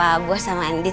berapa abuah sama endin